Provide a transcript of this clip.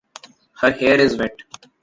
Her hair is wet.